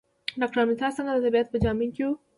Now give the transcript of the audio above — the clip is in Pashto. ډاکټر مترا سینګه د طبیب په جامه کې و.